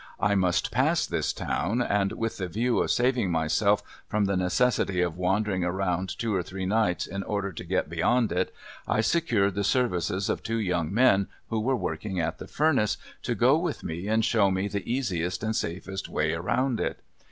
I must pass this town and with the view of saving myself from the necessity of wandering around two or three nights in order to get beyond it I secured the services of two young men who were working at the furnace to go with me and show me the easiest and safest way around it.